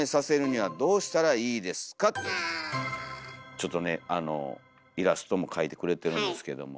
ちょっとねイラストも描いてくれてるんですけども。